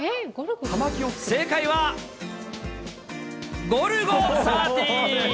正解は、ゴルゴ１３。